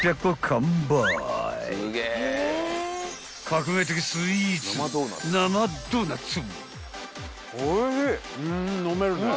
［革命的スイーツ生ドーナツ］